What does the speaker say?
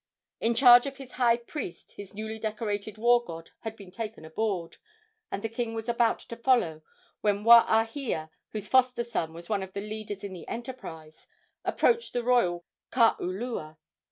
In charge of his high priest, his newly decorated war god had been taken aboard, and the king was about to follow, when Waahia, whose foster son was one of the leaders in the enterprise, approached the royal kaulua.